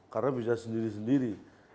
karena bisa sendiri sendiri